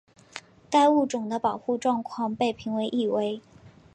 该物种的保护状况被评为易危。